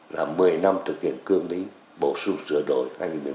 là một mươi năm thực hiện cương lý bổ sung sửa đổi hai nghìn một mươi một